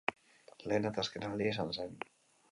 Lehen eta azken aldia izan zen.